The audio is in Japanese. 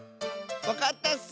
わかったッス！